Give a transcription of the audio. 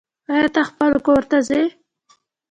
آيا ته خپل کور ته ځي